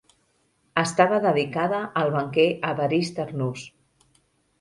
Estava dedicada al banquer Evarist Arnús.